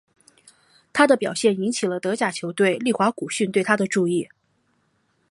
他的表现引起了德甲球队利华古逊对他的注意。